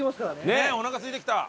ねっおなかすいてきた。